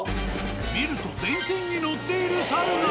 見ると電線に乗っている猿が。